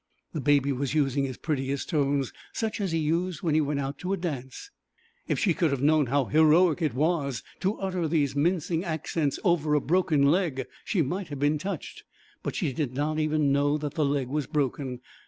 The Baby was using his prettiest tones, such as he used when he went out to a dance. If she could have known how heroic it was to utter these mincing accents over a broken leg she might have been touched; but she did not even know that the leg was broken.